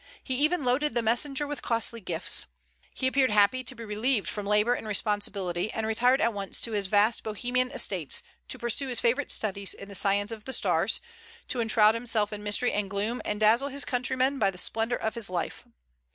He even loaded the messenger with costly gifts. He appeared happy to be relieved from labor and responsibility, and retired at once to his vast Bohemian estates to pursue his favorite studies in the science of the stars, to enshroud himself in mystery and gloom, and dazzle his countrymen by the splendor of his life.